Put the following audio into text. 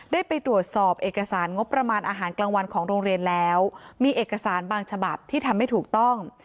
ได้ไปตรวจสอบเอกสารงบประมาณอาหารกลางวันของโรงเรียนแล้วมีเอกสารบางฉบับที่ทำไม่ถูกต้อง